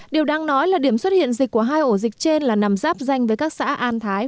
điều đang nói là điểm xuất hiện dịch của hai ổ dịch trên là nằm giáp danh với các xã an thái